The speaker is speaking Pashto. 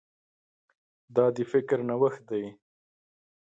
دا د فکر نوښت دی.